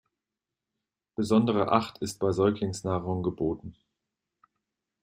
Besondere Acht ist bei Säuglingsnahrung geboten.